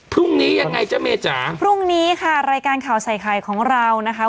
พรุ่งนี้ยังไงจ๊ะเมจ๋าพรุ่งนี้ค่ะรายการข่าวใส่ไข่ของเรานะคะ